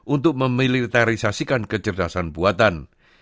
untuk memiliterisasikan kecerdasan buatan